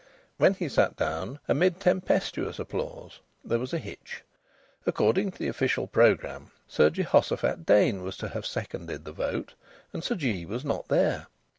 When he sat down, amid tempestuous applause, there was a hitch. According to the official programme Sir Jehoshophat Dain was to have seconded the vote, and Sir Jee was not there.